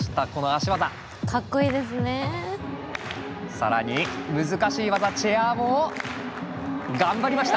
更に難しい技チェアーも頑張りました！